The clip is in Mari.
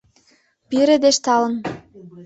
пире деч талын